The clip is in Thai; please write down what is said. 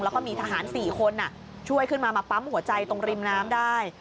แล้วก็มีทหาร๔คนช่วยขึ้นมามาปั๊มหัวใจตรงริมน้ำได้